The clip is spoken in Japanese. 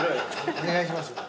お願いします。